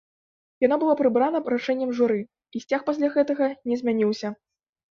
Яно было прыбрана рашэннем журы, і сцяг пасля гэтага не змяняўся.